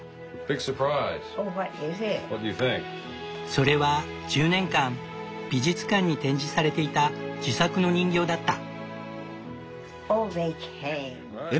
それは１０年間美術館に展示されていた自作の人形だった。